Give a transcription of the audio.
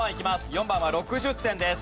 ４番は６０点です。